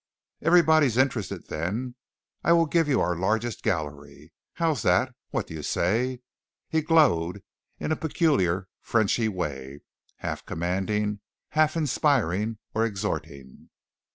Everybody's interested then. I will give you our largest gallery. How is that? What do you say?" he glowed in a peculiarly Frenchy way, half commanding, half inspiring or exhorting.